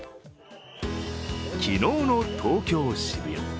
昨日の東京・渋谷。